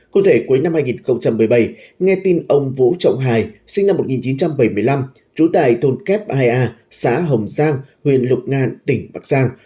cụ thể cuối năm hai nghìn một mươi bảy nghe tin ông vũ trọng hải sinh năm một nghìn chín trăm bảy mươi năm trú tại thôn kép ai a xã hồng giang huyện lục ngạn tỉnh bắc giang